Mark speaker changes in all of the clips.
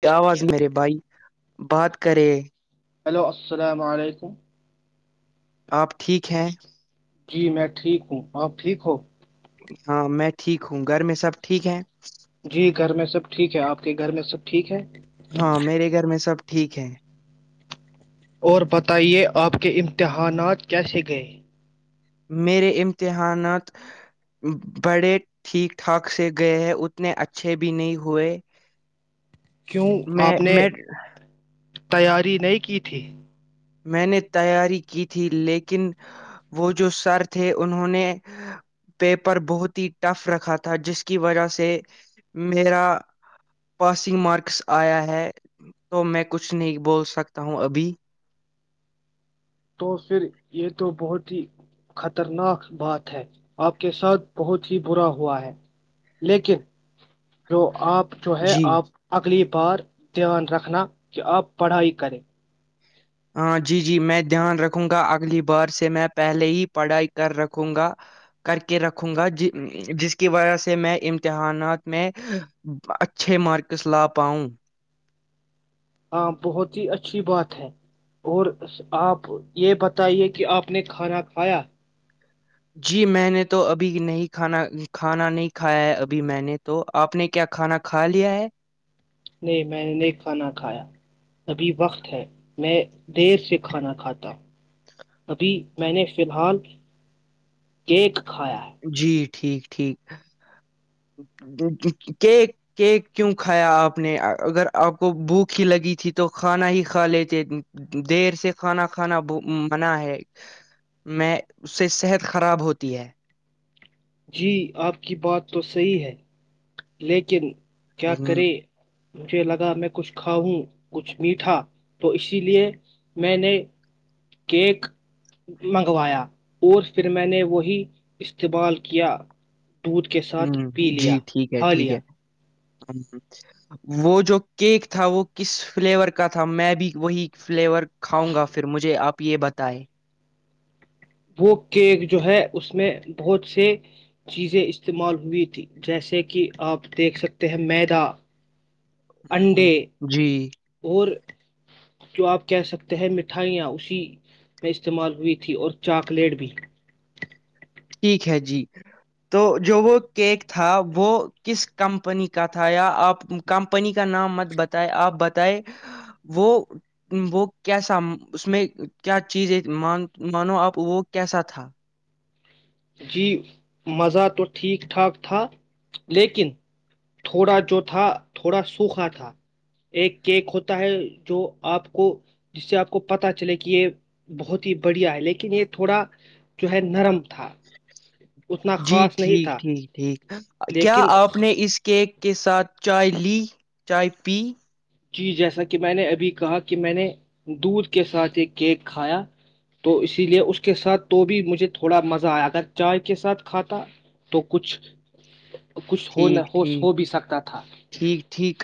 Speaker 1: کیا آواز میرے بھائی بات کرے
Speaker 2: ہیلو السلام علیکم
Speaker 1: آپ ٹھیک ہیں
Speaker 2: جی میں ٹھیک ہوں آپ ٹھیک ہو
Speaker 1: ہاں میں ٹھیک ہوں گھر میں سب ٹھیک ہے
Speaker 2: جی گھر میں سب ٹھیک ہے آپ کے گھر میں سب ٹھیک ہے
Speaker 1: ہاں میرے گھر میں سب ٹھیک ہے
Speaker 2: اور بتائیے آپ کے امتحانات کیسے گئے؟
Speaker 1: میرے امتحانات بڑے ٹھیک ٹھاک سے گئے ہے اتنے اچھے بھی نہیں ہوئے
Speaker 2: کیوں
Speaker 1: میں
Speaker 2: آپ نے
Speaker 1: میں
Speaker 2: تیاری نہیں کی تھی
Speaker 1: میں نے تیاری کی تھی لیکن وہ جو سر تھے انہوں نے پیپر بہت ہی ٹف رکھا تھا جس کی وجہ سے میرا پاسنگ مارکس آیا ہے تو میں کچھ نہیں بول سکتا ہوں ابھی
Speaker 2: تو پھر یہ تو بہت ہی خطرناک بات ہے آپ کے ساتھ بہت ہی برا ہوا ہے لیکن جو آپ جو ہے
Speaker 1: جی
Speaker 2: آپ اگلی بار دھیان رکھنا کہ آپ پڑھائی کریں
Speaker 1: ہاں جی جی میں دھیان رکھوں گا اگلی بار سے میں پہلے ہی پڑھائی کر رکھوں گا کر کے رکھوں گا ج جس کی وجہ سے میں امتحانات میں اچھے مارکس لا پاؤں
Speaker 2: ہاں بہت ہی اچھی بات ہے اور آپ یہ بتائیے کہ آپ نے کھانا کھایا
Speaker 1: جی میں نے تو ابھی نہیں کھانا کھانا نہیں کھایا ہے ابھی میں نے تو آپ نے کیا کھانا کھا لیا ہے
Speaker 2: نہیں میں نے نہیں کھانا کھایا ابھی وقت ہے میں دیر سے کھانا کھاتا ہ ابی میں نے فی الحال کیک کھایا ہے
Speaker 1: جی ٹھیک ٹھیک کیک کیک کیوں کھایا آپ نے اگر آپ کو بھوک ہی لگی تھی تو کھانا ہی کھا لیتے دیر سے کھانا کھانا منع ہے میں اس سے صحت خراب ہوتی ہے
Speaker 2: جی آپ کی بات تو صحیح ہے لیکن کیا
Speaker 1: ہوں
Speaker 2: کریں مجھے لگا میں کچھ کھاؤں کچھ میٹھا تو اسی لیے میں نے کیک منگوایا اور پھر میں نے وہی استعمال کیا دودھ کے ساتھ
Speaker 1: ہوں
Speaker 2: پی لیا
Speaker 1: جی ٹھیک ہے ٹھیک ہے
Speaker 2: لیا
Speaker 1: ہ وہ جو کیک تھا وہ کس فلیور کا تھا میں بھی وہی فلیور کاؤں گا پھر مجھے آپ یہ بتائے
Speaker 2: وہ کیک جو ہے اس میں بہت سے چیزیں استعمال ہوئی تھی جیسے کہ آپ دیکھ سکتے ہیں میدا انڈے
Speaker 1: جی
Speaker 2: اور جو آپ کہہ سکتے ہیں مٹھائیاں اسی میں استعمال ہوئی تھی اور چاکلیٹ بھی
Speaker 1: ٹھیک ہے جی تو جو وہ کیک تھا وہ کس کمپنی کا تھا یا آپ کمپنی کا نام مت بتائے آپ بتائے وہ وہ کیسا اس میں کیا چیز ہے مانو آپ وہ کیسا تھا
Speaker 2: جی مزہ تو ٹھیک ٹھاک تھا لیکن تھوڑا جو تھا تھوڑا سوکھا تھا ایک کیک ہوتا ہے جو آپ کو جس سے آپ کو پتا چلے کہ یہ بہت ہی بڑھیا ہے لیکن یہ تھوڑا جو ہے نرم تھا اتنا
Speaker 1: جی
Speaker 2: خاص نہیں
Speaker 1: ٹھیک
Speaker 2: تھا
Speaker 1: ٹھیک ٹھیک کیا
Speaker 2: لیکن
Speaker 1: آپ نے اس کے کے ساتھ چائے لی چائے پی
Speaker 2: چیز جیسا کہ میں نے ابھی کہا کہ میں نے دودھ کے ساتھ ایک کیک کھایا تو اسی لیے اس کے ساتھ تو بھی مجھے تھوڑا مزہ آیا اگر چائے کے ساتھ کھاتا تو کچھ کچھ ہو نہ
Speaker 1: ٹھیک
Speaker 2: ہو
Speaker 1: ٹھیک
Speaker 2: ہو بھی سکتا تھا
Speaker 1: ٹھیک ٹھیک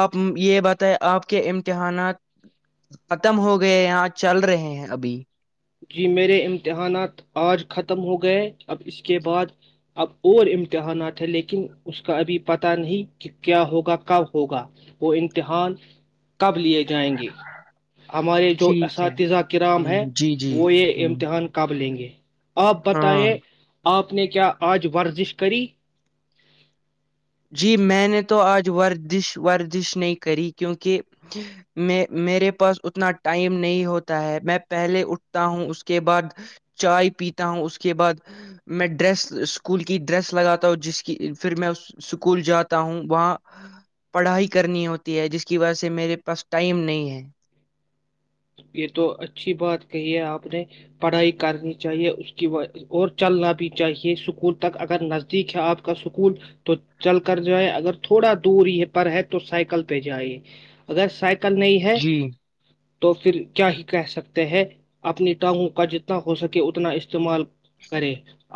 Speaker 1: آپ یہ بات آپ کے امتحانات ختم ہو گئے یہاں چل رہے ہیں ابھی
Speaker 2: جی میرے امتحانات آج ختم ہو گئے اب اس کے بعد اب اور امتحانات ہیں لیکن اس کا ابھی پتہ نہیں کہ کیا ہوگا کب ہوگا وہ امتحان کب لیے جائیں گے ہمارے جو
Speaker 1: ٹھیک ہے
Speaker 2: اساتذہ کرام
Speaker 1: ہ
Speaker 2: ہے
Speaker 1: جی جی
Speaker 2: وہ یہ
Speaker 1: ہ
Speaker 2: امتحان قاب لیں گے آپ
Speaker 1: ہاں
Speaker 2: بتیں آپ نے کیا آج ورزش کری
Speaker 1: جی میں نے تو آج ورزش ورزش نہیں کری کیونکہ میں میرے پاس اتنا ٹائم نہیں ہوتا ہے میں پہلے اٹھتا ہوں اس کے بعد چائے پیتا ہوں اس کے بعد میں ڈریس اسکول کی ڈریس لگاتا ہوں جس کی پھر میں اسکول جاتا ہوں وہاں پڑھائی کرنی ہوتی ہے جس کی وجہ سے میرے پاس ٹائم نہیں ہے
Speaker 2: یہ تو اچھی بات کہی ہے آپ نے پڑھائی کرنی چاہیے اس کی اور چلنا بھی چاہیے اسکول تک اگر نزدیک ہے آپ کا سکول تو چل کر جائے اگر تھوڑا دور یہ پر ہے تو سائیکل پہ جائے اگر سائیکل کل نہیں ہے
Speaker 1: جی
Speaker 2: تو پھر کیا ہی کہہ سکتے ہیں اپنی ٹانگوں کا جتنا ہو سکے اتنا استعمال کرے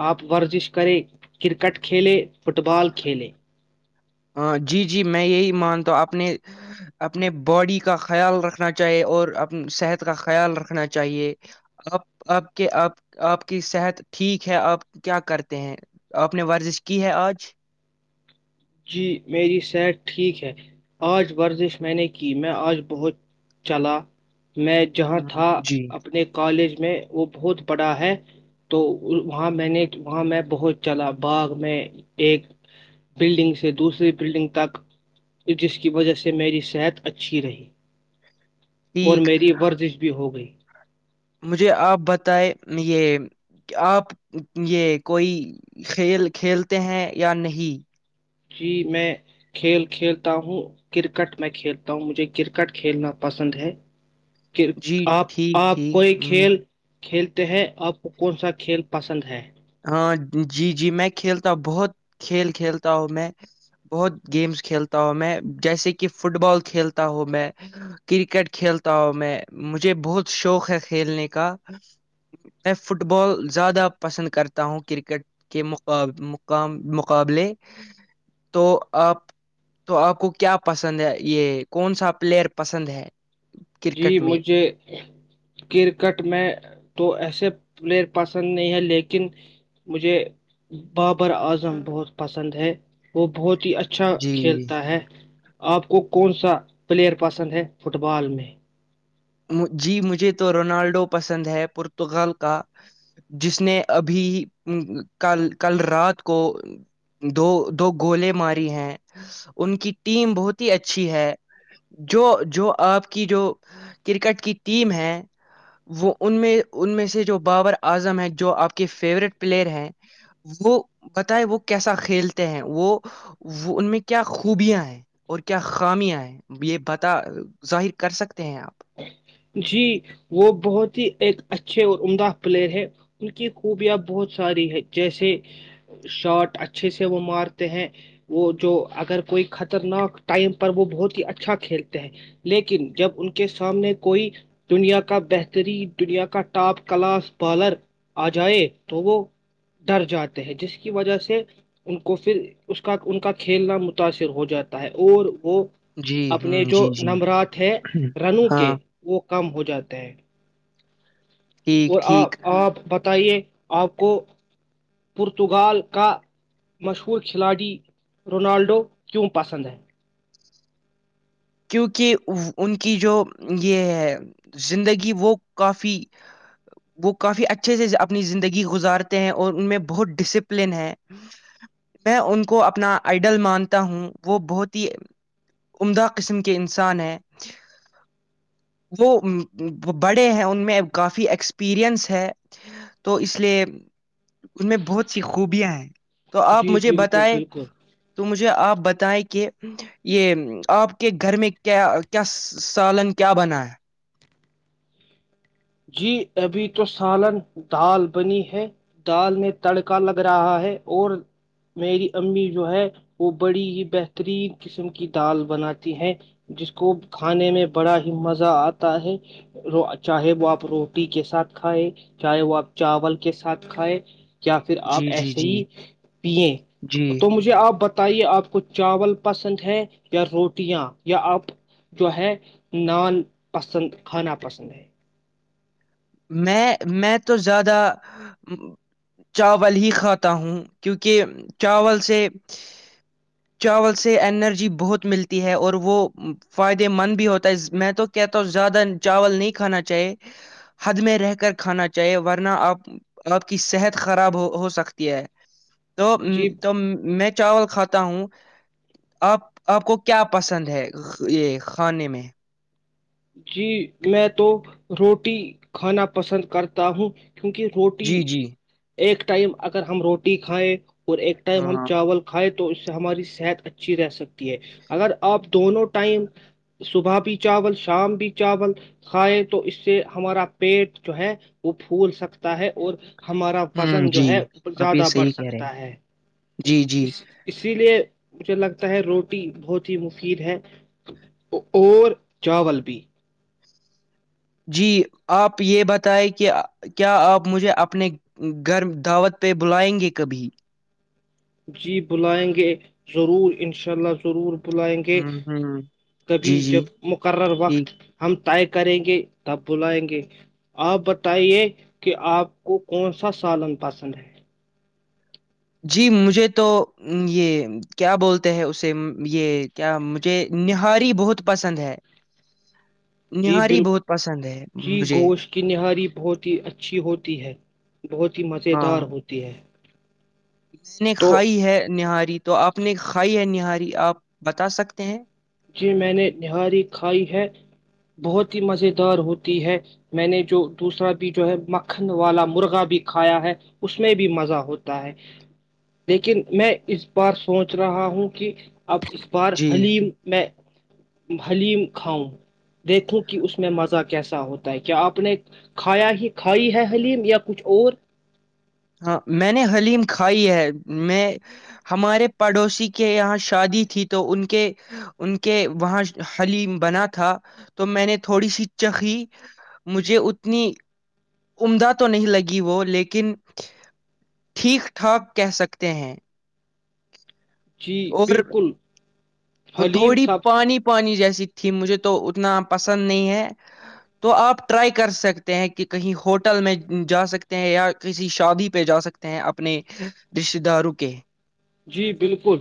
Speaker 2: آپ ورزش کریں کرکٹ کھیلے فٹ بال کھیلے
Speaker 1: ہاں جی جی میں یہی مانتا ہوں اپنے اپنے باڈی کا خیال رکھنا چاہیے اور اپنی صحت کا خیال رکھنا چاہیے آپ آپ کے آپ کی صحت ٹھیک ہے آپ کیا کرتے ہیں آپ نے ورزش کی ہے آج
Speaker 2: جی میری صحت ٹھیک ہے آج ورزش میں نے کی میں آج بہت چلا میں جہاں
Speaker 1: ہوں
Speaker 2: تھا
Speaker 1: جی
Speaker 2: اپنے کالج میں وہ بہت بڑا ہے تو وہاں میں نے وہاں میں بہت چلا باغ میں ایک بلڈنگ سے دوسری بلڈنگ تک جس کی وجہ سے میری صحت اچھی رہی اور
Speaker 1: ٹھیک
Speaker 2: میری ورزش بھی ہو گئی
Speaker 1: مجھے آپ بتائیں یہ آپ یہ کوئی کھیل کھیلتے ہیں یا نہیں
Speaker 2: جی میں کھیل کھیلتا ہوں کرکٹ میں کھیلتا ہوں مجھے کرکٹ کھیلنا پسند ہے کہ
Speaker 1: جی
Speaker 2: آپ
Speaker 1: ٹھیک
Speaker 2: آپ
Speaker 1: ٹھیک
Speaker 2: کوئی
Speaker 1: ہ
Speaker 2: کھیل کھیلتے ہیں آپ کو کون سا کھیل پسند ہے
Speaker 1: ہاں جی جی میں کھیلتا ہوں بہت کھیل کھیلتا ہوں میں بہت گیمس کھیلتا ہوں میں جیسے کہ فٹ بال کھیلتا ہوں میں کرکٹ کھیلتا ہوں میں مجھے بہت شوق ہے کھیلنے کا میں فٹ بال زیادہ پسند کرتا ہوں کرکٹ کے مقاب مقابلے تو آپ تو آپ کو کیا پسند ہے یہ کون سا پلیئر پسند ہے
Speaker 2: جی
Speaker 1: کرکٹ میں
Speaker 2: مجھے کرکٹ میں تو ایسے پلیئر پسند نہیں ہے لیکن مجھے بابر اعظم بہت پسند ہے وہ بہت ہی اچھا
Speaker 1: جی
Speaker 2: کھیلتا ہے آپ کو کون سا پلیئر پسند ہے فٹ بال میں
Speaker 1: جی مجھے تو رونالڈو پسند ہے پورتگال کا جس نے ابھی کل کل رات کو دو دو گولے ماری ہیں ان کی ٹیم بہت ہی اچھی ہے جو جو آپ کی جو کرکٹ کی ٹیم ہے وہ ان میں ان میں سے جو بابر اعظم ہے جو آپ کے فیورٹ پلیئر ہیں وہ بتائے وہ کیسا کھیلتے ہیں وہ ان میں کیا خوبیاں ہیں اور کیا خامیاں ہیں یہ بتا ظاہر کر سکتے ہیں آپ
Speaker 2: جی وہ بہت ہی ایک اچھے اور عمدہ پلیئر ہے ان کی خوبیاں بہت ساری ہے جیسے شاٹ اچھے سے وہ مارتے ہیں وہ جو اگر کوئی خطرناک ٹائم پر وہ بہت ہی اچھا کھیلتے ہیں لیکن جب ان کے سامنے کوئی دنیا کا بہترین دنیا کا ٹاپ کلاس بالر آ جائے تو وہ ڈر جاتے ہیں جس کی وجہ سے ان کو پھر اس کا ان کا کھیلنا متاثر ہو جاتا ہے اور وہ
Speaker 1: جی
Speaker 2: اپنے
Speaker 1: ہوں
Speaker 2: جو
Speaker 1: جی جی
Speaker 2: نبرات ہے ہو
Speaker 1: ہاں
Speaker 2: کے وہ کم ہو جاتا ہے
Speaker 1: ٹھیک
Speaker 2: اور آپ
Speaker 1: ٹھیک
Speaker 2: آپ آپ کو پورتگال کا مشہور کھلاڑی رونالڈو کیوں پسند ہے
Speaker 1: کیونکہ ان کی جو یہ ہے زندگی وہ کافی وہ کافی اچھے سے اپنی زندگی گزارتے ہیں اور ان میں بہت ڈسپلن ہے میں ان کو اپنا آئیڈل مانتا ہوں وہ بہت ہی عمدہ قسم کے انسان ہیں وہ بڑے ہیں ان میں کافی ایکسپیرئنس ہے تو اس لیے ان میں بہت سی خوبیاں ہیں تو آپ
Speaker 2: جی
Speaker 1: مجھے
Speaker 2: بالکل
Speaker 1: بتائے
Speaker 2: بالکل
Speaker 1: تو مجھے آپ بت اے کہ یہ آپ کے گھر میں کیا کیا سالن کیا بنا ہے
Speaker 2: جی ابھی تو سالن دال بنی ہے دال میں تڑکا لگ رہا ہے اور میری امی جو ہے وہ بڑی ہی بہترین قسم کی دال بناتی ہے جس کو کھانے میں بڑا ہی مزہ آتا ہے وہ چاہے وہ آپ روٹی کے ساتھ کھائے چاہے وہ آپ چاول کے ساتھ کھائے کیا پھر آپ
Speaker 1: جی جی
Speaker 2: ایسے
Speaker 1: جی
Speaker 2: ہی پیے
Speaker 1: جی
Speaker 2: تو مجھے آپ بتائے آپ کو چاول پسند ہے یا روٹیاں یا آپ جو ہے نان پسند کھانا پسند ہے
Speaker 1: میں میں تو زیادہ چاول ہی کھاتا ہوں کیونکہ چاول سے چاول سے انرجی بہت ملتی ہے اور وہ فائدے مند بھی ہوتا ہے میں تو کہتا ہوں زیادہ چاول نہیں کھانا چاہیے حد میں رہ کر کھانا چاہیے ورنہ آپ آپ کی صحت خراب ہو ہو سکتی ہے تو
Speaker 2: جی
Speaker 1: تو میں چاول کھاتا ہوں آپ آپ کو کیا پسند ہے یہ کھانے میں
Speaker 2: جی میں تو روٹی کھانا پسند کرتا ہوں کیونکہ روٹی
Speaker 1: جی جی
Speaker 2: ایک ٹائم اگر ہم روٹی کھائیں اور ایک ٹائم ہم
Speaker 1: ہاں
Speaker 2: چاول کھائے اس سے ہماری صحت اچھی رہ سکتی ہے اگر آپ دونوں ٹائم صبح بھیی چاول س شام بھی چاول کھائے تو اس سے ہمارا پیٹ جو ہے وہ پھول سکتا ہے اور ہمارا
Speaker 1: ہ
Speaker 2: فضن جو
Speaker 1: جی
Speaker 2: ہے
Speaker 1: آپ یہ
Speaker 2: زیادہ بڑھ
Speaker 1: صحیح کہہ رہے
Speaker 2: سکتا
Speaker 1: ہیں
Speaker 2: ہے
Speaker 1: جی جی
Speaker 2: اس اسی لیے مجھے لگتا ہے روٹی بہت ہی مفید ہے اور چاول پی
Speaker 1: جی آپ یہ بتائیں کہ کیا آپ مجھے اپنے گھر دعوت پہ بلائیں گے کبھی
Speaker 2: جی بلائیں گے ضرور ان شاء اللہ ضرور بلائیں گے
Speaker 1: ہوں ہوں
Speaker 2: کبھی
Speaker 1: جی
Speaker 2: جب
Speaker 1: جی
Speaker 2: مقرر وقت
Speaker 1: ٹھیک
Speaker 2: ہم تو طے کریں گے تب بلائیں گے آپ بتائیے کہ آپ کو کون سا سالن پسند ہے
Speaker 1: جی مجھے تو یہ کیا بولتے ہیں اسے یہ کیا مجھے نہاری بہت پسند ہے
Speaker 2: جی
Speaker 1: نہاری بہت
Speaker 2: بالکل
Speaker 1: پسند ہے
Speaker 2: جی
Speaker 1: مجھے
Speaker 2: گوشت کی نہاری بہت ہی اچھی ہوتی ہے بہت ہی مز
Speaker 1: ہاں
Speaker 2: دار ہوتی ہے
Speaker 1: میں نے
Speaker 2: تو
Speaker 1: کھائی ہے نہاری تو آپ نے کھائی ہے نہاری آپ بتا سکتے ہیں
Speaker 2: جی میں نے نہاری کھائی ہے بہت ہی مز دار ہوتی ہے میں نے جو دوسرا بھی جو ہے مکھن والا مرغا بھی کھایا ہے اس میں بھی مزہ ہوتا ہے لیکن میں اس بار سوچ رہا ہوں کہ اب اخبار
Speaker 1: جی
Speaker 2: حلیم حلیم کھاؤں دیکھوں کہ اس میں مزہ کیسا ہوتا ہے کیا آپ نے کھایا ہی کھائی ہے حلیم یا کچھ اور
Speaker 1: ہاں میں نے حلیم کھائی ہے میں ہمارے پڑوسی کے یہاں شادی تھی تو ان کے ان کے وہاں حلیم بنا تھا تو میں نے تھوڑی سی چخی مجھے اتنی عمدہ تو نہیں لگی وہ لیکن ٹھیک ٹھاک کہہ سکتے ہیں
Speaker 2: جی
Speaker 1: اور
Speaker 2: بالکل
Speaker 1: وہ
Speaker 2: حلیم
Speaker 1: تھوڑی
Speaker 2: سب
Speaker 1: پانی پانی جیسی تھی ت مجھے تو اتنا پسند نہیں ہے تو آپ ٹرائی کر سکتے ہیں کہ کہیں ہوٹل میں جا سکتے ہیں یا کسی شادی پہ جا سکتے ہیں اپنے رشتے داروں کے
Speaker 2: جی بالکل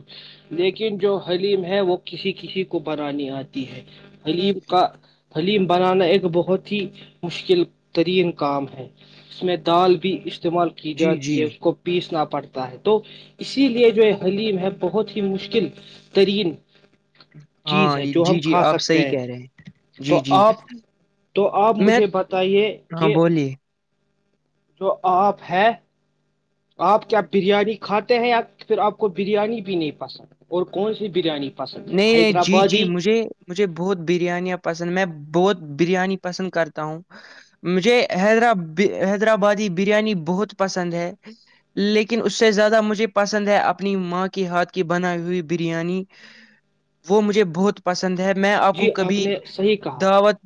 Speaker 2: لیکن جو حلیم ہے وہ کسی کسی کو بنانی آتی ہے حلیم کا حلیم بنانا ایک بہت ہی مشکل ترین کام ہے اس میں دال بھی استعمال کی
Speaker 1: جی
Speaker 2: جاتی ہے
Speaker 1: جی
Speaker 2: اس کو پیس نہ پڑتا ہے تو اس اسی لیے جو حلیم ہے بہت ہی مشکل ترین چیز
Speaker 1: ہاں
Speaker 2: ہے
Speaker 1: یہ-
Speaker 2: جو
Speaker 1: جی
Speaker 2: ہم
Speaker 1: جی
Speaker 2: کھا
Speaker 1: آپ صحیح
Speaker 2: سکتے
Speaker 1: کہہ رہے
Speaker 2: ہیں
Speaker 1: جی
Speaker 2: تو
Speaker 1: جی
Speaker 2: آپ تو آپ
Speaker 1: میں
Speaker 2: مجھے بتائیے
Speaker 1: ہاں
Speaker 2: کہ
Speaker 1: بولیے
Speaker 2: جو آپ ہے آپ کیا بریانی کھاتے ہیں یا پھر آپ کو بریانی بھی نہیں پسند اور کون سی بریانی پسند ہے
Speaker 1: نہیں نہیں جی جی
Speaker 2: حیدرآبادی
Speaker 1: مجھے مجھے بہت بریانیاں پسند میں بہت بریانی پسند کرتا ہوں مجھے حیدر حیدرآبادی بریانی بہت پسند ہے لیکن اس سے زیادہ مجھے پسند ہے اپنی ماں کے ہاتھ کی بنائی ہوئی بریانی وہ مجھے بہت پسند ند ہے میں آپ کو
Speaker 2: جی
Speaker 1: کبھی
Speaker 2: نے صحیح کہا
Speaker 1: دعوت